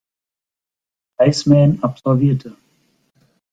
Icemen absolvierte.